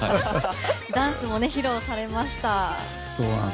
ダンスも披露されました。